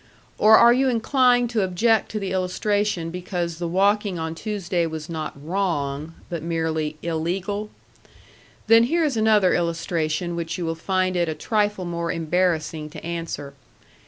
or are you inclined to object to the illustration because the walking on Tuesday was not WRONG, but merely ILLEGAL? Then here is another illustration which you will find it a trifle more embarrassing to answer.